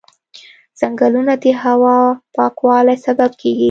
ځنګلونه د هوا پاکوالي سبب کېږي.